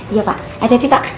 iya pak ate ate pak